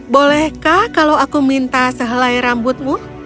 bolehkah kalau aku minta sehelai rambutmu